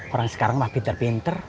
orang sekarang mah pinter pinter